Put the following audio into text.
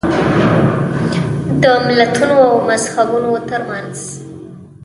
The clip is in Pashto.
د ملتونو او مذهبونو ترمنځ.